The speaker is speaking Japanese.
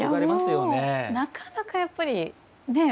なかなかやっぱりねえ